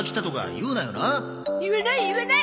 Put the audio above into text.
言わない言わない！